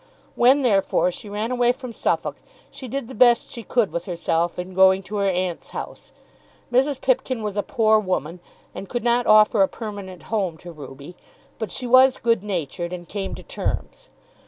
When therefore she ran away from Suffolk she did the best she could with herself in going to her aunt's house. Mrs. Pipkin was a poor woman, and could not offer a permanent home to Ruby; but she was good natured, and came to terms.